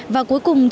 và cuối cùng